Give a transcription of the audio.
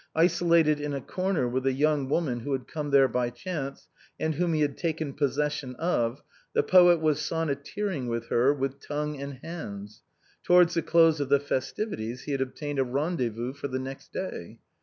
Isolated in a corner with a young woman who had come there by chance, and whom he had taken possession of, the poet was sonnet teering with her with tongue and hands. Towards the close of the festivities he had obtained a rendezvous for the next day.